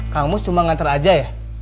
kamus cuma nganter aja ya